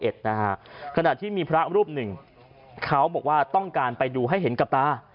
ขณะที่มีพระรูปหนึ่งเขาบอกว่าต้องการไปดูให้เห็นกับตา